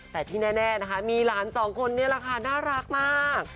แต่ที่แน่นะคะมีหลานสองคนนี้แหละค่ะน่ารักมาก